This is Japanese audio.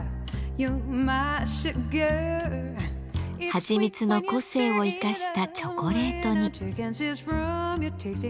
はちみつの個性を生かしたチョコレートに。